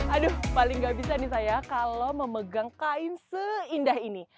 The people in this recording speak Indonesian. aduh paling gak bisa nih saya kalau memegang kain seindah ini